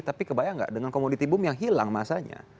tapi kebayang nggak dengan komoditi boom yang hilang masanya